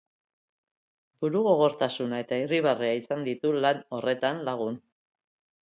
Burugogortasuna eta irribarrea izan ditu lan horretan lagun.